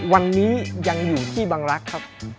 วันนี้ยังอยู่ที่บังรักษ์ครับ